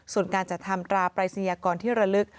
ส่วนการจัดทำตราปรายศนียากรที่ระลึก